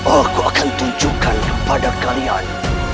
aku akan tunjukkan kepada kalian